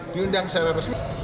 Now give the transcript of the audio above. diundang secara resmi